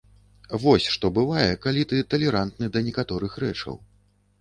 Вось што бывае, калі ты талерантны да некаторых рэчаў.